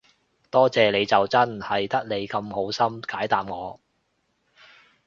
多謝你就真，係得你咁好心解答我